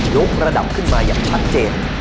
ลบระเดับขึ้นมาอย่างประเศษ